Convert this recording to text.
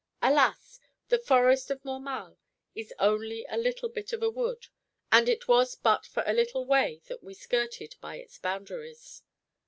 Alas! the forest of Mormal is only a little bit of a wood, and it was but for a little way that we skirted by its boundaries.